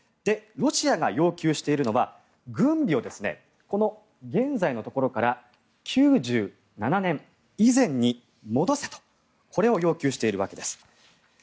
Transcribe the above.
ロシアが要求しているのは軍備を現在のところから９７年以前に戻せとこれを要求しているわけです。